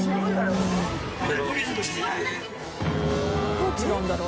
どう違うんだろう？